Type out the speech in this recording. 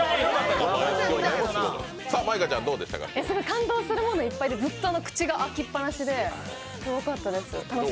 感動するものいっぱいでずっと口が開きっぱなしですごかったです。